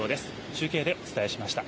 中継でお伝えしました。